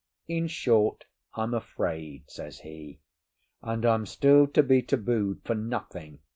"In short, I'm afraid," says he. "And I'm still to be tabooed for nothing?"